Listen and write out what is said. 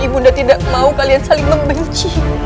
ibunda tidak mau kalian saling membenci